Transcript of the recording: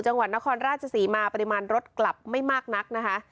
จังหวัดนครราชศรีมาปริมาณรถกลับไม่มากนักนะคะ